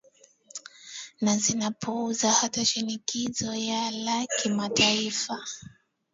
na zinapuuza hata shinikizo ya la kimataifa